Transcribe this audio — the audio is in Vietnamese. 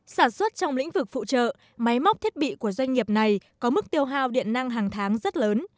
sản xuất trong lĩnh vực phụ trợ máy móc thiết bị của doanh nghiệp này có mức tiêu hào điện năng hàng tháng rất lớn